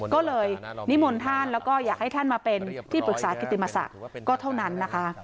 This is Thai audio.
ก็เลยนิมนต์ท่านแล้วก็อยากให้ท่านมาเป็นที่ปรึกษากิติมศักดิ์ก็เท่านั้นนะคะ